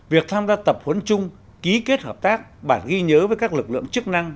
việc tham gia tập huấn chung ký kết hợp tác bản ghi nhớ với các lực lượng chức năng